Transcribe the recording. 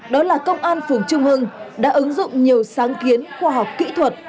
đó là công an phường trung hưng đã ứng dụng nhiều sáng kiến khoa học kỹ thuật